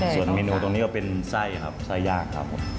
ส่วนเมนูตรงนี้ก็เป็นไส้ครับไส้ยากครับผม